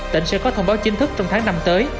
tỉnh sẽ có thông báo chính thức trong tháng năm tới